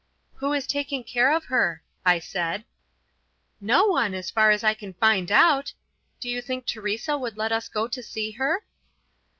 "Who is taking care of her?" I said. "No one, as far as I can find out. Do you think Teresa would let us go to see her?"